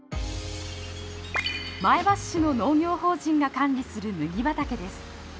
前橋市の農業法人が管理する麦畑です。